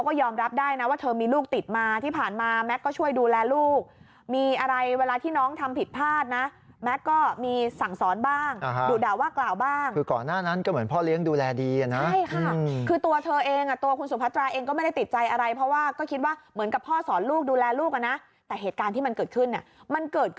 ก็ยอมรับได้นะว่าเธอมีลูกติดมาที่ผ่านมาแม็กซก็ช่วยดูแลลูกมีอะไรเวลาที่น้องทำผิดพลาดนะแม็กซ์ก็มีสั่งสอนบ้างดุด่าว่ากล่าวบ้างคือก่อนหน้านั้นก็เหมือนพ่อเลี้ยงดูแลดีอ่ะนะใช่ค่ะคือตัวเธอเองอ่ะตัวคุณสุพัตราเองก็ไม่ได้ติดใจอะไรเพราะว่าก็คิดว่าเหมือนกับพ่อสอนลูกดูแลลูกอ่ะนะแต่เหตุการณ์ที่มันเกิดขึ้นเนี่ยมันเกิด